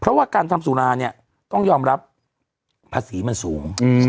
เพราะว่าการทำสุราเนี่ยต้องยอมรับภาษีมันสูง